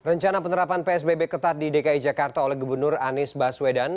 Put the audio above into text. rencana penerapan psbb ketat di dki jakarta oleh gubernur anies baswedan